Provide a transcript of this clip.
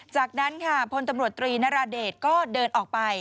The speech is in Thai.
จากนั้นค่ะพลตำรวจตรีนราเดชก็เดินออกไป